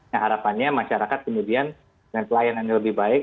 nah harapannya masyarakat kemudian dengan pelayanan yang lebih baik